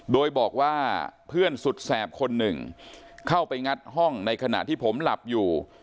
โดยบอกว่าเพื่อนสุดแสบคนหนึ่งเข้าไปงัดห้องในขณะที่ผมหลับอยู่